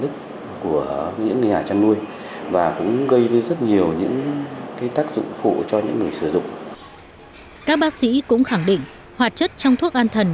các bác sĩ cũng khẳng định hoạt chất trong thuốc an thần